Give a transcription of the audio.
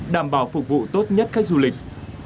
đảm bảo phục vụ tốt nhất khách du lịch